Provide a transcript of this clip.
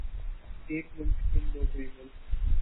ایک مُلک چُن لو کوئی مُلک